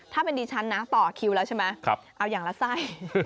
ถ้าเป็นดิฉันนะต่อคิวแล้วใช่ไหมเอาอย่างละไส้